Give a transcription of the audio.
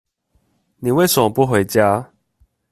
你為什麼不回家？